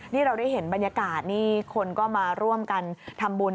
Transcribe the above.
นี่เราได้เห็นบรรยากาศนี่คนก็มาร่วมกันทำบุญ